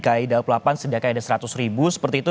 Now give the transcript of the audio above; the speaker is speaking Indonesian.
ki dua puluh delapan sedangkan ada seratus ribu seperti itu